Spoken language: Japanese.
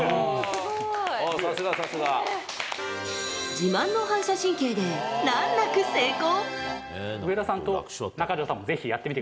自慢の反射神経で難なく成功。